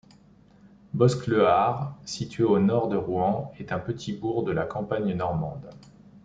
Bosc-le-Hard, située au nord de Rouen, est un petit bourg de la campagne normande.